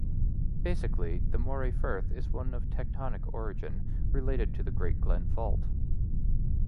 Basically, the Moray Firth is of tectonic origin, related to the Great Glen Fault.